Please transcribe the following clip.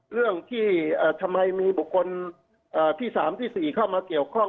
เรื่องที่ทำไมมีบุคคลที่๓ที่๔เข้ามาเกี่ยวข้อง